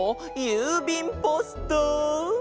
ゆうびんポスト。